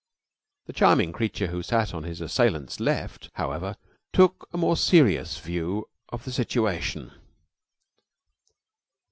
The charming creature who sat on his assailant's left, however, took a more serious view of the situation.